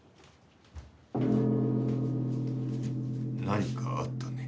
何かあったね？